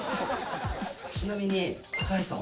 ちなみに高橋さん